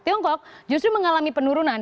tiongkok justru mengalami penurunan